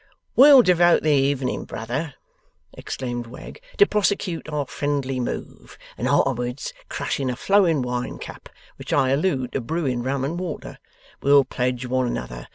'We'll devote the evening, brother,' exclaimed Wegg, 'to prosecute our friendly move. And arterwards, crushing a flowing wine cup which I allude to brewing rum and water we'll pledge one another.